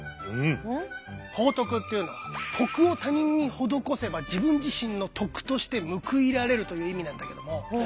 報徳っていうのは徳を他人に施せば自分自身の徳として報いられるという意味なんだけども。